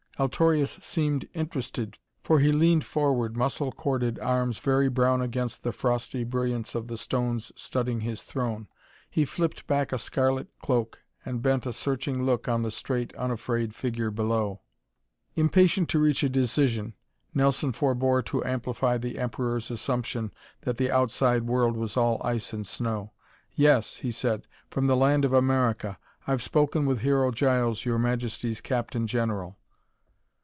Altorius seemed interested, for he leaned forward, muscle corded arms very brown against the frosty brilliance of the stones studding his throne. He flipped back a scarlet cloak and bent a searching look on the straight, unafraid figure below. Impatient to reach a decision, Nelson forebore to amplify the Emperor's assumption that the outside world was all ice and snow. "Yes," he said, "from the land of America. I've spoken with Hero Giles, Your Majesty's Captain General."